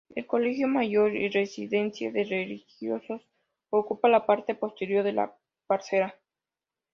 El colegio mayor y residencia de religiosos ocupa la parte posterior de la parcela.